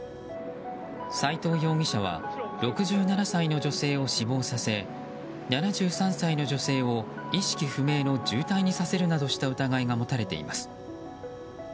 斉藤容疑者は６７歳の女性を死亡させ７３歳の女性を意識不明の重体にさせるなどした疑いが持たれています。